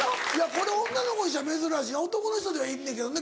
これ女の子にしては珍しい男の人ではいんねんけどな。